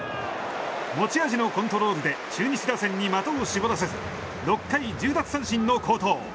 持ち味のコントロールで中日打線に的を絞らせず６回１０奪三振の好投。